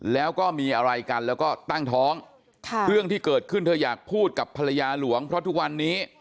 แล้วก็มีอะไรกันแล้วก็ตั้งท้องค่ะเรื่องที่เกิดขึ้นเธออยากพูดกับภรรยาหลวงเพราะทุกวันนี้